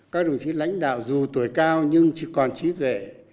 các đồng chí lãnh đạo dù tuổi cao nhưng chỉ còn trí tuệ